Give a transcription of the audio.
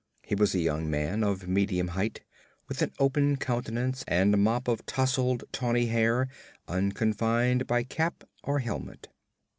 He was a young man of medium height, with an open countenance and a mop of tousled tawny hair unconfined by cap or helmet.